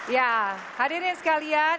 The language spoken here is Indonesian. ya hadirin sekalian